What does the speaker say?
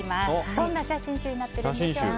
どんな写真集になっているんでしょうか。